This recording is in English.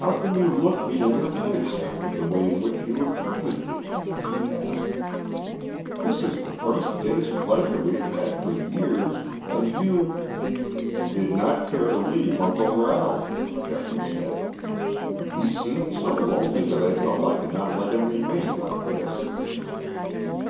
"How can you look me in the face after the way in which you have treated me?" she asked. "This is the first day's pleasure we have had for years, and you " "Did not care to leave Uncle Ralph," Geoffrey said. "He seemed so lonely that I felt I could not let him remain like this."